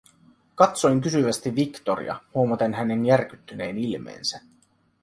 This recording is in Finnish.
Katsoin kysyvästi Victoria huomaten hänen järkyttyneen ilmeensä: